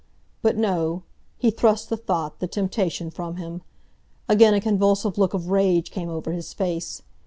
But no—he thrust the thought, the temptation, from him. Again a convulsive look of rage came over his face.